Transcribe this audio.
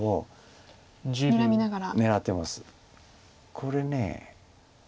これね。